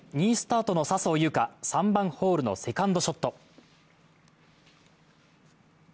２位スタートの笹生優花、３番ホールのセカンドショット。